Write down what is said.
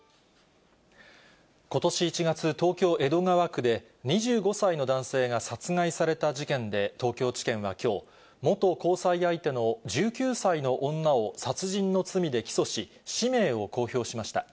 ことし１月、東京・江戸川区で、２５歳の男性が殺害された事件で、東京地検はきょう、元交際相手の１９歳の女を殺人の罪で起訴し、氏名を公表しました。